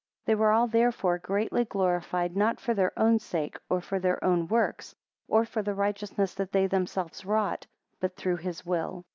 19 They were all therefore greatly glorified, not for their own sake, or for their own works, or for the righteousness that they themselves wrought, but through his will.